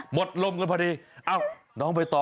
หมดลมกันพอดีน้องไปต่อ